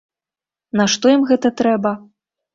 Нашто ім гэта трэба?